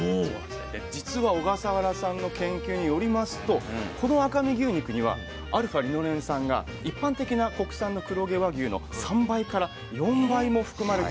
で実は小笠原さんの研究によりますとこの赤身牛肉にはα−リノレン酸が一般的な国産の黒毛和牛の３倍から４倍も含まれていることが分かったんです。